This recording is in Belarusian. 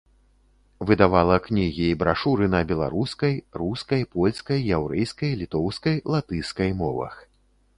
Выдавала кнігі і брашуры на беларускай, рускай, польскай, яўрэйскай, літоўскай, латышскай мовах.